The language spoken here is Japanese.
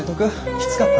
きつかった？